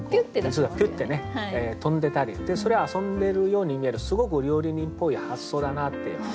水がピュッてね飛んでたりそれ遊んでるように見えるすごく料理人っぽい発想だなって。